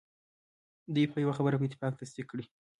دوی به یوه خبره په اتفاق تصدیق کړي.